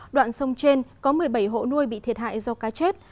đoạn sông trên có một mươi bảy hộ nuôi bị thiệt hại do cá chết